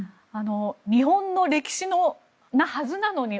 日本の歴史なはずなのに。